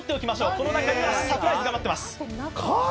この中にはサプライズが待ってます